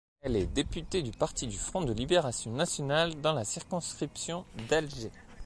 Elle est députée du Parti du front de libération nationale dans la circonscription d'Alger.